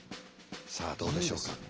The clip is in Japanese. さあどうでしょうか。